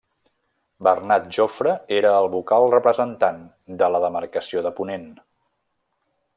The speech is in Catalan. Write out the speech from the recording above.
Bernat Jofre era el vocal representant de la demarcació de Ponent.